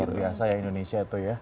luar biasa ya indonesia itu ya